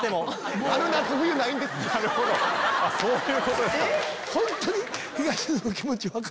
そういうことですか！